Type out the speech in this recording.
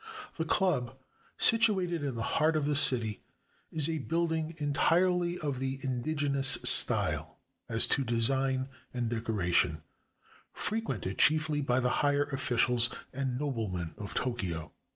391 JAPAN The dub, situated in the heart of the city, is a building entirely of the indigenous style as to design and decora tion, frequented chiefly by the higher officials and noble men of Tokio.